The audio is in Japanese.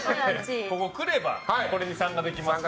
ここに来ればこれに参加できますので。